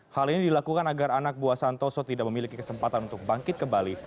hal ini dilakukan agar anak buah santoso tidak memiliki kesempatan untuk bangkit ke bali